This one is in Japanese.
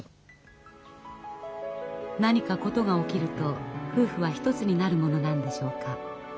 何か事が起きると夫婦は一つになるものなんでしょうか。